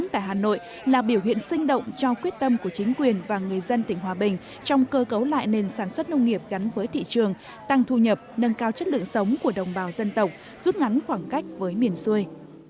tại hà nội là biểu hiện sinh động cho quyết tâm của chính quyền và người dân tỉnh hòa bình trong cơ cấu lại nền sản xuất nông nghiệp gắn với thị trường tăng thu nhập nâng cao chất lượng sống của đồng bào dân tộc rút ngắn khoảng cách với miền xuôi